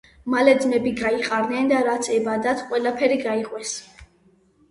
მალე ძმები გაიყარნენ და ,რაც ებადათ ყველაფერი გაიყვეს